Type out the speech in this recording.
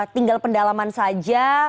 tinggal pendalaman saja